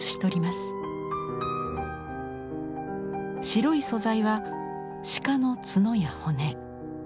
白い素材は鹿の角や骨。